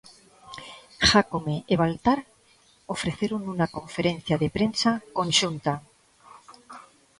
Jácome e Baltar ofreceron unha conferencia de prensa conxunta.